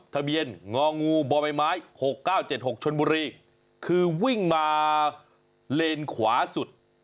ทะเบียนงองูบใบไม้๖๙๗๖ชนบุรีคือวิ่งมาเลนขวาสุด